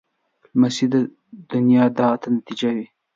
لمسی د نیا د دعا نتیجه وي.